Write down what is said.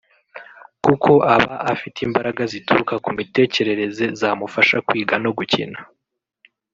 kuko aba afite imbaraga zituruka mu mitekerereze zamufasha kwiga no gukina